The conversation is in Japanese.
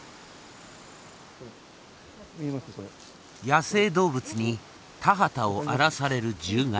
野生動物に田畑を荒らされる獣害。